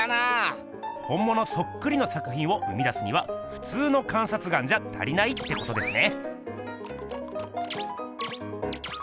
ほんものそっくりの作品を生み出すにはふつうの観察眼じゃ足りないってことですね。